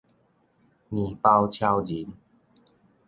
麵包超人